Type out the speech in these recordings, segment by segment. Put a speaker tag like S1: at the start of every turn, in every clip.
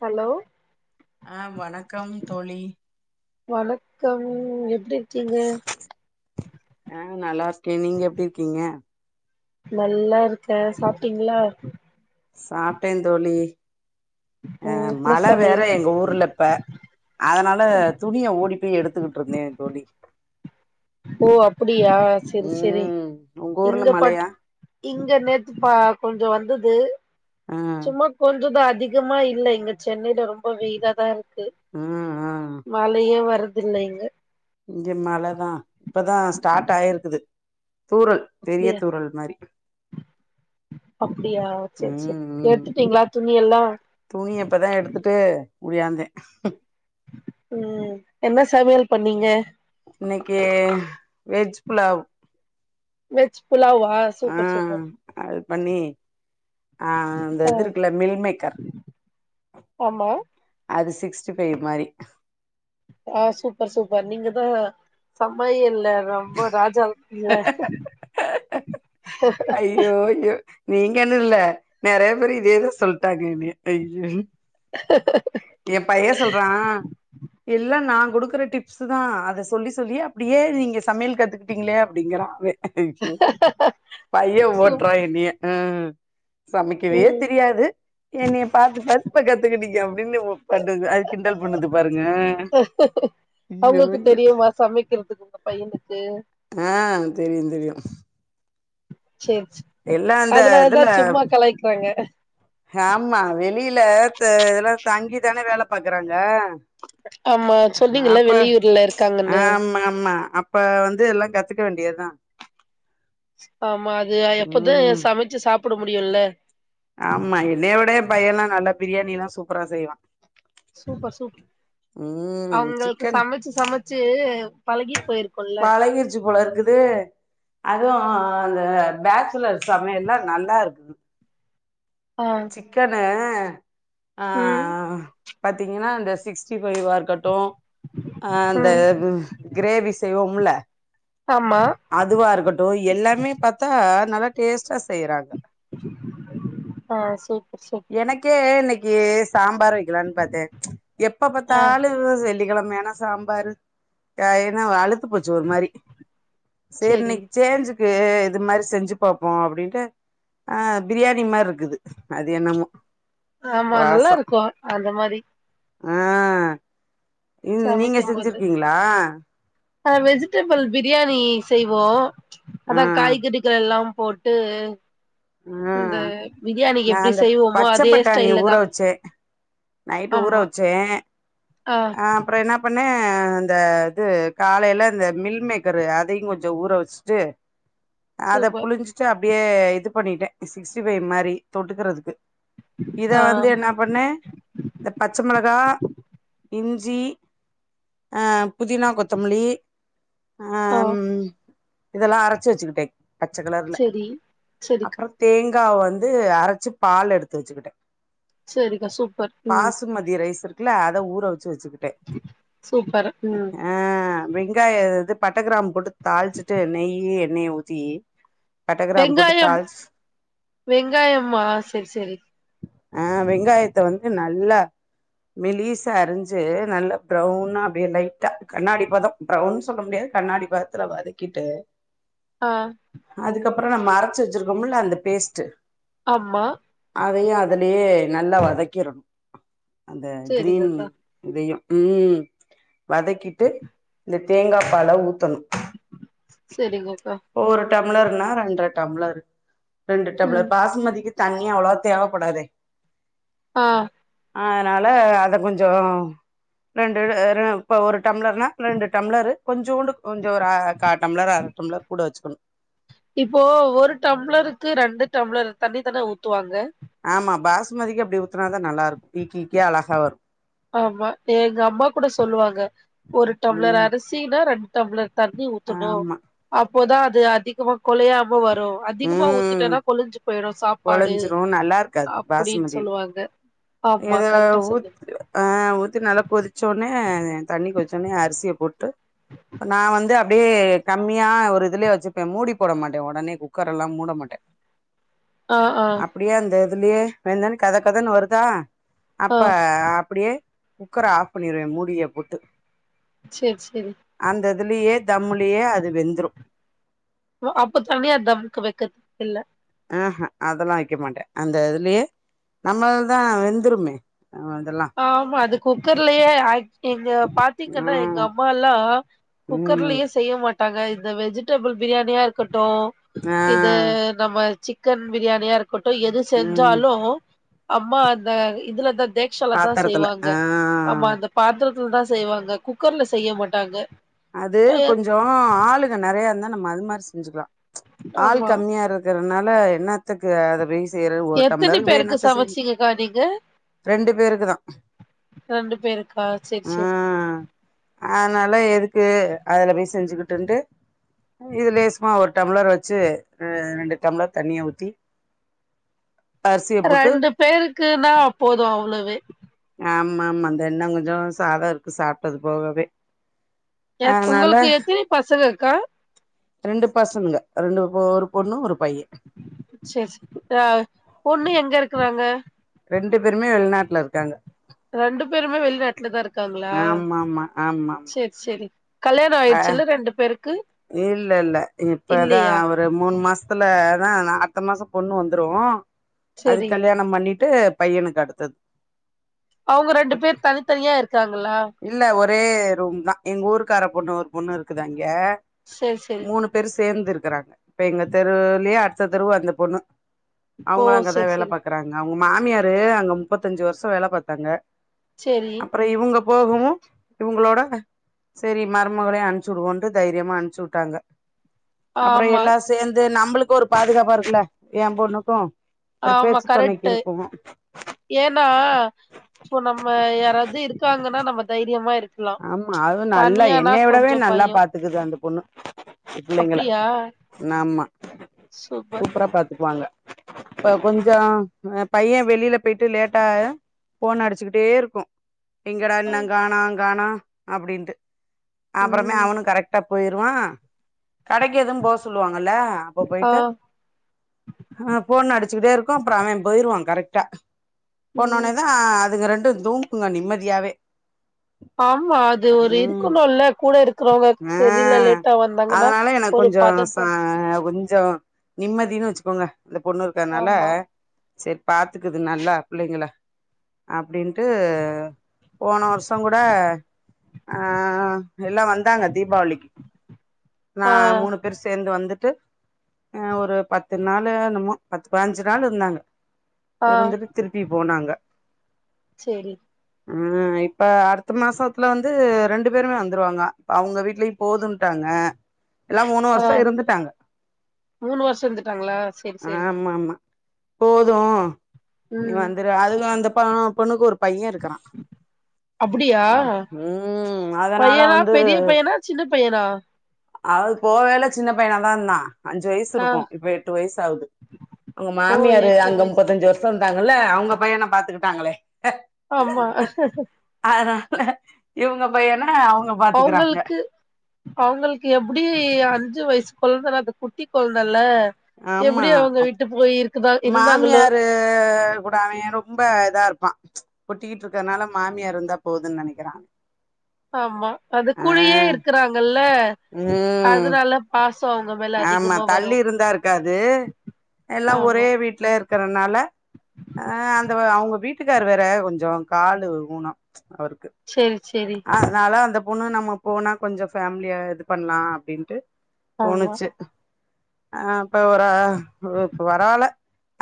S1: Hello
S2: ஆ வணக்கம் தோழி
S1: வணக்கம் எப்டி இருக்
S2: ஆ நல்லா இருக்கே நீங்க எப்டி இருக்கீங்க
S1: நல்லா இருக்கே சாப்ட்டீங்ளா
S2: சாப்ட்டே தோழி அ
S1: ம் என்ன
S2: மழ வேற
S1: சமையல்
S2: எங்க ஊர்ல இப்ப அதனால துணிய ஓடி இட்லி எடுத்துக்குட்டு இருந்தே தோழி
S1: ஓ அப்டியா செரி செரி
S2: ம் உங்க ஊர்ல
S1: இங்க பாட்டு
S2: மழையா
S1: இங்க நேத்துப்பா கொஞ்சோ வந்தது
S2: ஆ
S1: சும்மா கொஞ்சோ தான் அ அதிகமா இல்ல இங்க சென்னையில ரொம்ப வெயிலா தா இருக்கு
S2: ம் ம்
S1: மழயே வருது இல்ல இங்க
S2: இங்க மழ தா இப்பதா ஸ்டாட் ஆயிருக்குது தூரல் பெரிய
S1: அப்டியா
S2: தூரல் மாரி
S1: அப்டியா செரி செரி
S2: உம் உம்
S1: எடுத்துட்டீங்களா துணி எல்லா
S2: துணிய இப்பதா எடுத்துட்டு ஒடியாந்தே
S1: உம் என்ன சமயல் பண்ணீங்க
S2: இன்னைக்கு வெஜ் புலாவ்
S1: வெஜ் புலாவா
S2: ஆ
S1: சூப்பர் சூப்பர்
S2: அது பண்ணி அ அந்த
S1: ஆ
S2: இது இருக்குல மீல்மேக்கர்
S1: ஆமா
S2: அது சிக்ஸ் சிக்ஸ்டி ஃபை மாரி
S1: ஆ சூப்பர் சூப்பர் நீங்கதா சம்மயல்ல ரொம்ப ராஜாவுக்கு இல்ல
S2: அய்யோ யோ நீங்கனுல்ல நறய பேரு இதேதா சொல்டாங்க என்னய அய்யோ எ பைய சொல்றா எல்லா நா குடுக்குற டிப்ஸு தா அத சொல்லி சொல்லியே அப்டியே நீங்க சமையல் கத்துக்கிட்டீங்ளே அப்டிங்குறா அவெ அய்யோ யொ பைய
S1: சூப்
S2: ஓட்றா என்னிய ஆ [unintelligible] சமைக்கவே
S1: ம்
S2: தெரியாது என்னைய பாத்து பாத்து இப்ப கத்துக்கிட்டிங்க அ ப்டின்னு ஓ பண்ணுது அது கிண்டல் பண்ணுது பாருங்க அய்யோ
S1: அவங்களுக்கு
S2: அய்யோ
S1: தெரியுமா சமைக்கிறதுக்கு உங்க பையனுக்கு
S2: ஆ தெரியு தெரியு
S1: சேர் செ
S2: எல்லா அந்த
S1: அதுனாலதா
S2: இதுல
S1: சும்மா கலாய்க்குறாங்க
S2: ல த இதலா தங்கிதானே வேல பாக்குறாங்க
S1: ஆமா சொன்னீங்கல்ல
S2: அப்ப
S1: வெளியூர்ல இருக்காங்கன்னு
S2: ஆமாமா அப்ப வந்து எல்லா கத்து க்க வேண்டியதா
S1: பொது
S2: உம்
S1: சமச்சு சா ப்புட முடியுல்ல
S2: ஆமா என்னயவிட எ பையல்லா நல்ல பிரியாணிலா சூப்பரா செய்வா
S1: சூப்பர் சூ
S2: உம்
S1: அவுங்களுக்கு
S2: சிக்கன்
S1: சமச்சு சமச்சு பழகி போய்ருக்குல்ல
S2: பழகிருச்சு போல இருக்குது அதுவும் அந்த பேச்சுலர்ஸ் சமயல்லா நல்லாருக்குது
S1: ஆ
S2: சிக்கனு அ
S1: ம்
S2: ஆஹ் பாத்தீங்கனா இந்த சிக்ஸ்டி ஃபைவா இருக்கட்டு ஆ அந்த
S1: ம்
S2: கிரேவி செய்வோ முல்ல
S1: ஆமா
S2: அதுவாருக்கட்டு எல்லாமே பாத்தா நல்லா டேஸ்டா செய்றாங்க
S1: ஆ சூ
S2: எனக்கே இன்னக்கி சாம்பார் வக்கலான் பாத்தே எப்ப
S1: ஆ
S2: பாத்தாலு செல் வெள்ளி கிழமையானா சாம்பாரு ஏனா வழுத் த்து போச்சு ஒரு மாரி செர்
S1: சேரி
S2: இன்னிக் சேஞ்சுக் வே இது மாரி செஞ்சு பாப்போ அப்டின்ட்டு ஆ பிரியாணி மாரிருக்குது அத் என்னமோ
S1: ஆமா நல்லாருக்கும் அ அந்த மாரி
S2: ஆ இது நீங்க
S1: சமைக்கும் போது
S2: செஞ்சிருக்கீங்ளா
S1: ஆ வெஜிடேபிள் பிரியாணி செய்வோ
S2: ஆ
S1: அதா காய்கறிகள் எல்லாம் போட்டு
S2: ஆ
S1: இந்த பிரியாணிக்கு
S2: நா
S1: எப்டி
S2: அந்த
S1: செய்வோமோ அதே ஸ்டைல தா
S2: நைட் ஊற
S1: ஆமா
S2: வச்சே ஆ அப்பற என்னாப் பண்ண அ அந்த இது காலேல இந்த மில் மேக்கரு அதையு கொஞ்சோ ஊற வச்சுட்டு அத
S1: சூப்பர்
S2: புழிஞ்சுட்டு அப் அப்டியே இது பண்ணிட்ட சிக்ஸ்டி ஃபைவ் மாரி தொட்டுக்கறதுக்கு இத
S1: ஆ
S2: வந்து என்னா பண்ண இந்த பச்ச மெளகா இஞ்சி அ புதினா கொத்தமல்லி அ
S1: ஆ
S2: ம் இதெல்லா அரைச்சு வச்சுக்கிட்டே பச்ச கலர்ல
S1: செரி செரிக்
S2: அப்றோ தேங் கா வந்து அரைச்சு பால் எடுத்து வச்சுக்கிட்ட
S1: செரிக்கா சூப்
S2: பாசுமதி ரைஸ் இருக் குல அத ஊற வச் சுசுகிட்டே
S1: சூப்பர் ம்
S2: அ வெங்காய இது பட்ட கிராம்பு போட்டுத் தாள்ச்சிட்டு நெய்யி நெய் ஊத்தி பட்ட கிராம் போட்டு
S1: வெங்காயம்
S2: தாளிச்
S1: வெங்காயமா செரி செரி
S2: ஆ வெங்காயத்த வந் து நல்லா மெலிசா அரிஞ்சு நல்ல ப்ரௌனா அப்டியே லைட்டா கண்ணாடி பதோ ப்ரௌன் சொல்ல முடியாது கண்ணாடி பதத்துல வதக்கிட்டு
S1: ஆ
S2: அப்பறோ நம்ம அரைச்சு வச்சிருக்கோமல்ல அந்த பேஸ்ட்டு
S1: ஆமா
S2: அதையு அதுலயே நல்லா வதக் கிரணு அந்த கிரீன்
S1: செரிங்கக்கா
S2: இதையு ம் வதக்கிட்டு இந்த தேங்காப் பால ஊத்தணு. இட்
S1: செரிங்கக்கா
S2: டம்ளர்னா ரெண்டர டம்ளரு ரெண்டு
S1: ம்
S2: டம்ளர் பாஸ்மதிக்கு தண்ணி அவ்ளவா தேவப்படாது
S1: ஆ
S2: அதனால அத கொஞ்சோ ரெண்டு ஆ ரெ இப்போ ஒரு டம்ளர்னா ரெண்டு டம்ளரு கொஞ்சோண்டு கொஞ்சோ ஒரு ஆ கா டம்ளர் அர டம்ளர் கூட வச்சுக்கணு
S1: இப்போ ஒரு டம்ளருக்கு ரெண்டு டம்ளர் தண்ணிதான ஊத்துவாங்க
S2: ஆமா பாசுமதிக்கு அப்டி ஊத்துனாதா நல்லா இருக்கு ஈக்கி ஈக்கியா அழகா வரு
S1: ஆமா எங்க அம்மா கூட சொல்லுவாங்க ஒரு டம்ளர்
S2: ம்
S1: அரிசினா ரெண்டு டம்ளர் தண்ணி ஊத்தணு
S2: ஆமா
S1: அ ப்பதா அது அதிகமா கொழையா ம வரு அதிகமா
S2: ம்
S1: ஊத்திட்டேனா கொழஞ்சு போயிடு சாப்பாடு
S2: கொழஞ்சிரும் நல்லா இருக்காது
S1: அப்படின்னு
S2: பாசுமதில
S1: சொல்லுவாங்க. ஆமா
S2: இத
S1: கரெக்டா சொன்னீங்க
S2: ஊத் ஆ ஊத்திட்டு நல்லா கொதிச்சோடனே தண்ணி கொதிச்சோடனே அரிசிய போட்டு நா வந்து அ ப்படியே கம்மியா ஒரு இதுலயே வச்சுப்ப மூடி போட மாட்டே ஒடனே குக்கர் எல்லா மூட மாட்டே
S1: ஆ ஆ
S2: அப்டியே அந்த அதுலயே வெந்தவுன்னே கதகதன்னு வருதா
S1: ஆ
S2: அப்ப அப்படியே குக்கர ஆஃப் பண்ணிருவேன் மூடிய போட்டு.
S1: சேரி சேரி
S2: அந்ததுலயே தம்முலியே அது வெந்துரும்.
S1: அப்ப தனியா தம் க்கு வைக்கது இல்ல
S2: ஆஹ் ஹ அதெல்லாம் வைக்க மாட்டேன் அந்த இதுலயே நம்மள தான் வெந்துருமே அதெல்லா
S1: ஆமா அது குக்கர்லயே ஆ எங்க பாத்தீங்கன்னா எங்க
S2: ம்
S1: அம்மாலாம் ஆஹ
S2: ம்
S1: குக்கர்லயே செய்ய மாட்டோம் டாங்க இந்த வெஜிடபிள் பிரியாணியா இருக்க ட்டும்
S2: ஆ
S1: இது நம்ம சிக் சிக்கன் பிரியாணியா இருக்கு போட்டு எது
S2: ம்
S1: செஞ்சாலும் அம்மா அந்த இதுல தா லா தான்
S2: பாத்தரத்துல
S1: செய்வாங்க
S2: ஆ
S1: ஆமா அந்த பாத்திரத்த தான் செய்வாங்க குக்கர்ல செய்ய மாட்டாங்க
S2: அது கொஞ்சம் ஆளுங்க நெறையா இருந்தா நம்ம அது மாதிரி செஞ்சுக்கலாம் ஆள்
S1: ஆமா
S2: கம்மியா இருக்கற அதனால என்னத்துக்கு அத வேஷ்
S1: எத்தனை பேருக்கு சமைச்சீங்கக்கா நீங்க
S2: ரெண்டு பேருக்கு தா
S1: ரெண்டு பேருக்கா சேர் சேர்
S2: அதுனால எது க்கு அதுல போய் செஞ்சுக்கிட்டுட்டு இது லேசமா ஒரு டம்ளர் வச்சு ரெண்டு டம்ளர் தண்ணியை ஊத்தி அரிசிய போட்டு
S1: ரெண்டு பேருக்குன்னா போதும் அவ்வளவே
S2: ஆமா மா அந்த இன்னும் கொஞ்சம் சாதம் இருக்கு சாப்பிட்டது போகவே அதனால
S1: உங்களுக்கு எத்தினி பசங்க க்கா
S2: பசங்க அ ரெண்டு ஒரு பொண்ணு ஒரு பைய
S1: சேர் சேர் பொண்ணு எங்க இருக்கறாங்க
S2: ரெண்டு பேருமே வெளிநாட்டுல இருக்காங்க
S1: ரெண்டு பேருமே வெளி நாட்டுல தான் இருக்கு
S2: ஆமா ஆமா ஆமா
S1: கல்யாணம்
S2: அ
S1: ஆயிடுச்சுல ரெண்டு பேருக்கும்
S2: இல்ல இல்ல இப்பதான் ஒரு மூணு மாசத்துல இப்பதா அடுத்த மாசத்துல பொண்ணு வந்துரும்
S1: செரி
S2: அதுக்கு கல்யாணம் பண்ணிட்டு ட்டு பையனுக்கு அடுத்தது
S1: அவங்க ரெண்டு பேர் தனித்தனியா இருக்காங்களா
S2: இல்ல ஒரே ரூம் தான் எங்க ஊருக்கார பொண்ணு ஒரு பொண்ணு இருக்குது அங்க
S1: சேரி சேரி
S2: மூணு பேரு சேர்ந்து இருக்கிறாங்க இப்ப எங்க தெருவுலயே அடுத்த தெருவு வந்த பொண்ணு
S1: ஓ
S2: அவங்களாம்
S1: செரி
S2: அங்கதான் வேலை
S1: செரி
S2: பார்கறாங்க அவங்க மாமியாரு அங்க முப்பத்தஞ்சு வருஷம் வேலை பார்த்தாங்க
S1: செரி
S2: அப்புறம் இவங்க போகவும் இவங்களோட செரி மருமகளையும் அனுச்சிடுவோம் என்று தைரியமா அ னுப்ச்சு விட்டாங்க அப்புறம்
S1: ஆமா
S2: எல்லாம் சேர்ந்து நம்ம நம்மளுக்கும் ஒரு பாதுகாப்பா இருக்கும்ல்ல என் பொண்ணுக்கும்
S1: ஆமா கரெக்டு ஏன்னா இப்போ நம்ம யாராவது இருக்காங்கன்னா நம்ம தைரியமா இருக்க
S2: ஆமா அதுவும் நல்லா என்னை விடவே நல்லா
S1: பயோ
S2: பாத்துக்குது அந்த பொண்ணு பிள்ளைங்கள
S1: அப்டியா
S2: ஆமா
S1: சூப்பர்
S2: சூப்பரா பாத்துக்கு ங்க இப்ப கொஞ்சம் பையன் வெளியில போயிட்டு லேட்டா போன் அடிச்சுக்கிட்டே இருக்கும் எங்கட என்ன காணாம் காணாம் அப்படின்ட்டு அப்புறமே
S1: ம்
S2: அவனும் கரெக்டா போயிருவான் கடைக்கு எதுவும் போக சொல்லுவாங்க ல்ல அப்ப
S1: ஆ
S2: போயிட்டு போன்னு அடிச்சுக்கிட்டே இருக்கும் அப்புறம் அவன் போயிருவான் கரெக்ட் ஹ
S1: ம்
S2: போனனேதான் அதுக்கு ரெண்டு தூங்கக்குங்க நிம்மதியாவே
S1: ஆமா அது ஒரு
S2: ம்
S1: இருக்கணும் இல்ல கூட இருக்கிறவங்க
S2: ஆ
S1: தெரியில லேட்டா வந்தாங்கன்னா ஒரு பதட்டம்
S2: நிம்மதியின்னு வச்சுக்கோங்க இந்த பொண்ணு இருக்கனால
S1: ஆமா
S2: செர் பாத்துக்குது நல்லா பிள்ளைங்களா அப்டின்ட்டு போன வருஷ் இப்பங்கூட ஆ எல்லா வந்தாங்க தீபாவளிக்கு நா
S1: ஆ
S2: மூணு பேர் சேர்ந்து வந்துட் ட்டு ஒரு பத்து நாளு என்னுமோ பத்து பதிஞ்சு நாள் இருந்தாங்க இருந்துட்டு திருப்பி போனாங்க
S1: செரி
S2: ம் இப் ப அடுத்த மாசத்துல வந்து ரெண்டு பேருமே வந்துருவாங்க அவுங்க வீட்லயும் போதுன்டாங்க எல்லா மூணு
S1: ஆ
S2: வருஷோ இருந்துட்டாங்க
S1: மூணு வருஷோ இருந்துட்டாங்களா சேரி சேரி
S2: ஆமாமா போதும் நீ
S1: ம்
S2: வந்துரு அதுக்குள்ள அந்த பாப் பொண்ணுக்கு ஒரு பைய இருக்கான்
S1: அப்டியா
S2: அதனால
S1: பையனா
S2: வந்து
S1: பெரிய பையனா சின்னப் பையனா
S2: அது போவேல சின்ன பையனாதா இருந்தான் அஞ்சு வயசு
S1: ஆ
S2: இருக்கும் இப்ப எட்டு வயசு ஆவுது அவுங்க
S1: ஓ
S2: மாமியாரு
S1: எட்டு
S2: அங்க
S1: வயசு
S2: முப்பத்தஞ்சு வருஷத் இருகாங்கல்ல அவுங்க பையன பாத்துக்கிட்டாங்களே
S1: அம்மா
S2: இவுங்க பையனா அ அவுங்க பாத்துக்கறாங்க
S1: அவங்களுக்கு அவங்களுக்கு எப்டி அஞ்சு வயசு கொழ்ந்தனா அது குட்டி கொழ்ந்தல்ல
S2: ஆமா அப்
S1: இருந்தாங்களோ
S2: மாமியாரு கூட அவய ரொம்ப இதா இருப்பான் ஒட்டிக்கிட்டு இருக்கனால மாமியார் இருந்தா போதுன் நனைக்கிறா
S1: ஆமா அது கூடையே இருக்றாங்கல்ல
S2: ம்
S1: அதுனால பாஸ்
S2: ஆமா தள்ளி இருந்தா இருக்காது எல்லா
S1: ஆமா
S2: ஒரே வீட்ல இருக்கறனால அ அந்த அவுங்க வீட்டுக்காரு வேற கொஞ்சோ காலு ஊனோ அவர்க்கு
S1: சேரி சேரி
S2: அதனால அந்தப் பொண்ணு நம்ம போனா கொஞ்சோ ஃபேமிலியா இது பண்லா அப்டின்ட்டு
S1: ஆமா
S2: ஆ இப்ப வரா அவா இப்ப பரவால்ல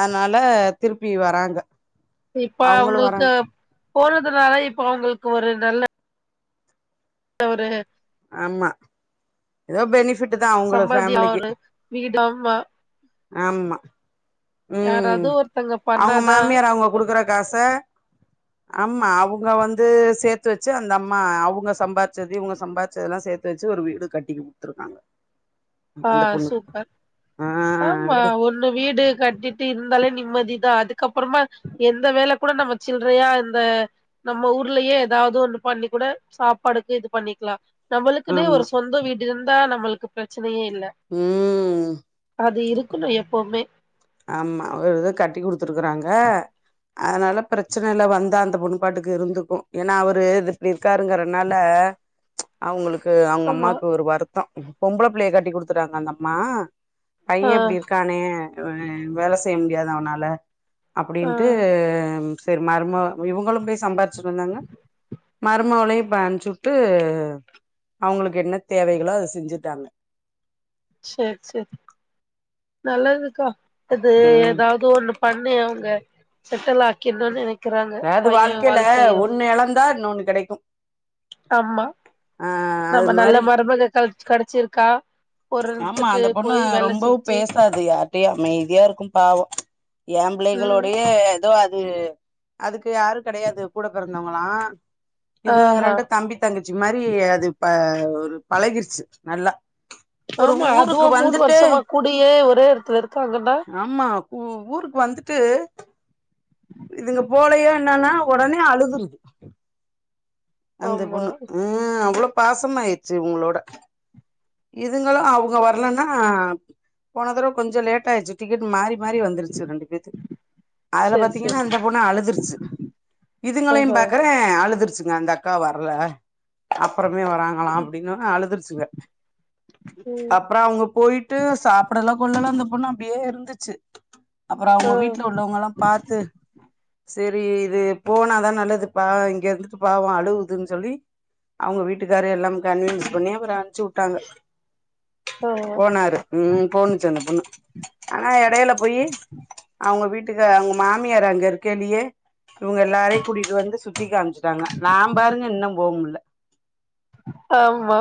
S2: அதனால திருப்பி வராங்க
S1: இப்போ
S2: அவங்களு
S1: அவளோக்கா
S2: வராங்க
S1: போனதுனால இப்ப அவங்களுக்கு ஒரு நல்ல ஒரு
S2: ஆமா ஏதோ பெனிஃபிட் தா அவங்கள
S1: சம்பந்தியா
S2: ஃபேமிலிக்கு
S1: ஒரு வீடும்
S2: ஆமா உம்
S1: யாராவது ஒருத்தங்க
S2: அவங்க
S1: பண்ணாதா
S2: மாமியார் அவங்க கொடுக்குற காசை ஆமா அவங்க வந்து சேர்த்து வச்சு அந்த அம்மா அவங்க சம்பாதிச்சது இவங்க சம்பாதிச்சதெல்லாம் சேர்த்து வச்சு ஒரு வீடு கட்டிக் குடுத்துருக்காங்க
S1: ஆ
S2: அந்த பொண்ணு
S1: சூப்பர்
S2: ஆஹ்
S1: ஒண்ணு வீடு கட்டிட்டு இருந்தாலே நிம்மதி இதான் அதுக்கப்புறமா எந்த வேலை கூட நம்ம சில்லறையா இந்த நம்ம ஊர்லயே ஏதாவது ஒண்ணு பண்ணி கூட சாப்பாடுக்கு இது பண்ணிக்கலாம் நம்மளுக்குனே ஒரு
S2: ஆமா
S1: சொந்த வீடு இருந்தா நம்மளுக்கு பிரச்சனை பிரச்சனையே இல்லை
S2: ம்
S1: அது இருக்கணும் எப்பவுமே
S2: ஆமா அவர் கட்டி கொடுத்துருக்கறாங்க அதனால பிரச்சனைல்ல வந்தா அந்த பொண்னு பாட்டுக்கு இருந்துக்கும் ஏன்னா அவரு எப்படி கருங்கறனால அவங்களுக்கு அவங்க
S1: ஆமா
S2: அம்மாக்கு ஒரு வருத்தம் பொம்பளை பிள்ளையை கட்டி குடுத்துட்டாங்க அந்தம்மா
S1: ஆ
S2: பையன் இப்படி இருக்கானே வேலை செய்ய முடியாது அவனால
S1: ஆ
S2: அப்படின்ட்டு செரி மருமக இவங்களும் போய் சம்பாதி சொன்னாங்க மருமவளையும் ப்ப அனுப்ச்சுட்டு அவங்களுக்கு என்ன தேவைகளோ அதை செஞ்சுட்டாங்க
S1: செரி செரி நல்லதுக்கா அது
S2: ம்
S1: ஏதாவது ஒண்ணு பண்ணி அவங்க செட்டில் ஆக்கி என்னன்னு எனக்கு
S2: அதாவது வாழ்க்கையில ஒன்னு இழந்து தான் இன்னொன்னு கிடைக்கும்
S1: ஆமா நம்ம
S2: மாரி
S1: நல்ல மருமக க கெடச்சிருக்கா
S2: ஆமா
S1: பொறந்துட்டு
S2: அந்த பொண்ணு
S1: போய் வேல
S2: ரொம்பவு
S1: செஞ்சு
S2: பேசாது யார்ட்டையு அமைதியா இருக்கு பாவோ
S1: ம்
S2: ஏம்பிள்ளைகளோடையே ஏ அது அதுக்கு யாருங் கெடயது கூடப்பெறந்த நம்மளா இது
S1: ஆஹா
S2: ரெண்டு தம்பி தங்கச்சி மாரி அது ப ஒரு பழகிருச்சு நல்லா ஒரு
S1: ஆமா அதுவு
S2: ஊருக்கு
S1: மூனு
S2: வந்துட்டு
S1: வருஷமா கூடியே ஒரே இடத்ல இருக்காங்கன்னா
S2: ஆமா ஊருக்கு வந்துட்டு இதுங்க போலையோ என்னன்னா உடனே அழுகுது அந்த
S1: ஆமா
S2: பொண்ணு ஆ அவ்ளோ பாசமா ஆயிடுச்சு உங்களோட இ இதுங்களு அவுங்க வரலன்னா போன தடவ கொஞ்சோ லேட் ஆயிருச்சு டிக்கெட் மாறி மாறி வந்துருச்சு ரெண்டு பேத்துக்கு அதுல
S1: சேரி சேரி
S2: பத்தீங்கன்னா அந்த பொன்னு அழுதுருச்சு இதுங்களையு
S1: ஆஹா
S2: பாக்குறே அழுதுருச்சு அந்த அக்கா வரல அப்றோ வராங்கலா அப்டின்னு அழுதுருச்சுங்க
S1: ம்
S2: அப்றோ அவுங்க போயிட்டு சாப்பிடது நல்ல கொள்ளலாம் அந்த பொண்ணு அப்டியே இருந்துச்சு அப்றோ
S1: ஆ
S2: அவுங்க வீட்ல உள்ளவங்களா எல்லா பாத்து செரி இது போனாதான் நல்லதுப்பா இங்க இருந்துட்டு பாவோ அழுகுதுன்னு சொல்லி அவுங்க வீட்டுக்கார எல்லா கன்வீன்ஸ் பண்ணி அப்றோ அனுப்பிச்சுவுட் ட்டாங்க
S1: ஆ
S2: போனாரு உம் போணுச்சன்ன பொண்ணு ஆனா எடயில போயி அவுங்க வீட்டு ட்டுக்க அவுங்க மாமியார் அங்க இருக்கலயே இவுங்க எல்லாரையு கூட்டிகிட்டு வந்து சுத்தி காமிச்சட்டாங்க நா பாருங்க இன்னு போ முடில்ல
S1: ஆமா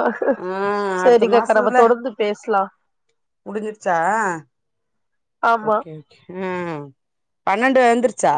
S2: அடுத்த
S1: சேரிக்காக்கா நம்ம
S2: மாசத்துல
S1: தொடர்ந்து பேசலா
S2: முடிஞ்சிருச்சா
S1: ஆமா
S2: ஓகே ஓகே ம் பன்னெண்டு வந்துருச்சா